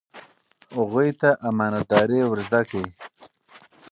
هغوی ته امانت داري ور زده کړئ.